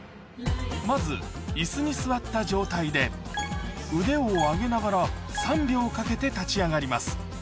まず椅子に座った状態で腕を上げながら３秒かけて立ち上がります